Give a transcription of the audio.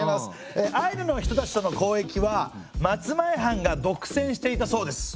アイヌの人たちとの交易は松前藩が独占していたそうです。